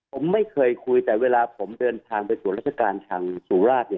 ผมไม่เคยคุยแต่เวลาผมเดินทางไปตรวจราชการทางสุราช